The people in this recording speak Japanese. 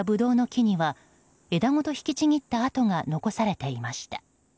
木には枝ごと引きちぎった跡が残されていました。